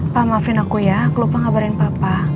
pak maafin aku ya aku lupa ngabarin papa